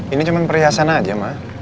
ini cuman perhiasan aja ma